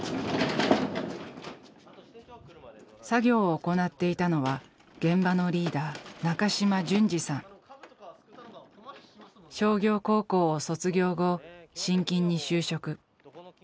作業を行っていたのは現場のリーダー商業高校を卒業後信金に就職。